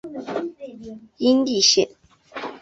殷栗线